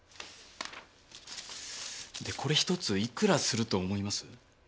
でこれ１ついくらすると思います？